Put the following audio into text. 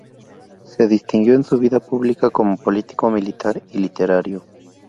Se distinguió en su vida pública como político, militar y literato.